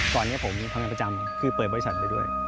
ตอนนี้ผมทำงานประจำคือเปิดบริษัทไปด้วย